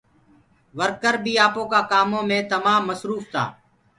ورڪر بي آپو ڪآ ڪآمو مي تمآم مسروڦ تآ۔